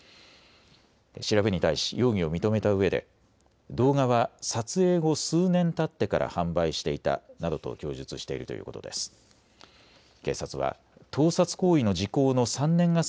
調べに対し容疑を認めたうえで動画は撮影後、数年たってから販売していたなどと供述しているということです。